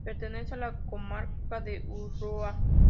Pertenece a la Comarca de Ulloa.